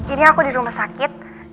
ini aku di rumah sakit